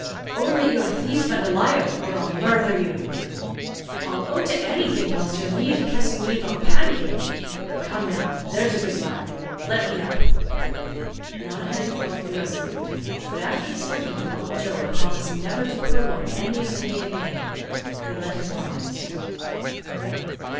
"Own that you are a thief and a liar, or I'll murther you!" "I'll own to anything whilst your knee is pressing me into a pancake. Come now there's a good lad let me get up." Monaghan felt irresolute, but after extorting from Uncle Joe a promise never to purloin any of the hay again, he let him rise.